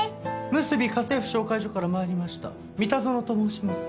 むすび家政婦紹介所から参りました三田園と申します。